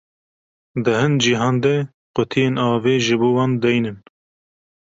Di hin cihan de qutiyên avê ji bo wan deynin.